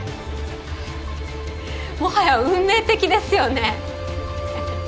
もはや運命的ですよね。